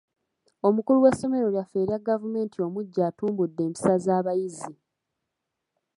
Omukulu w'essomero lyaffe erya gavumenti omuggya atumbudde empisa z'abayizi.